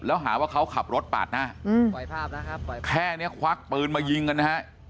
แล้วหาว่าเขาขับรถปาดหน้าแค่นี้ควักปืนมายิงกันนะฮะ